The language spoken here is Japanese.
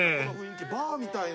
バーみたいな。